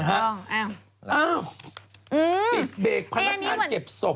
อ้าวปิดเบรกพนักงานเก็บศพ